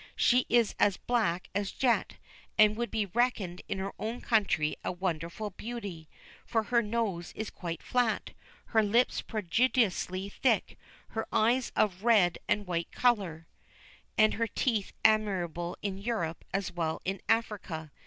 She is as black as jet, and would be reckoned in her own country a wonderful beauty, for her nose is quite flat, her lips prodigiously thick, her eyes of a red and white colour, and her teeth admirable in Europe as well as in Africa.